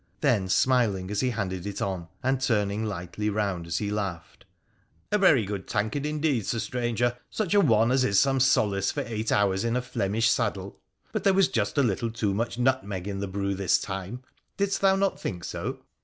Then smiling as he handed it on, and turning lightly round as he laughed, ' A very good tankard indeed, Sir Stranger — Buch a one as is some solace for eight hours in a Flemish [86 WONDERFUL ADVENTURES OF saddle ! But there was just a little too much nutmeg in the brew this time — didst thou not think so